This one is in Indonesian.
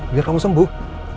biar kamu sembuh